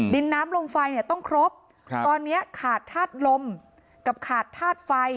ดินน้ำลมไฟเนี่ยต้องครบตอนนี้ขาดธาตุลมกับขาดธาตุไฟ